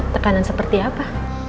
tekanan seperti apa